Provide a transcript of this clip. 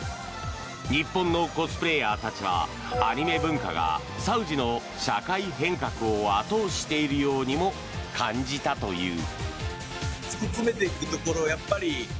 日本のコスプレーヤーたちはアニメ文化がサウジの社会変革を後押ししているようにも感じたという。